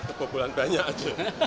saya takut kebobolan banyak aja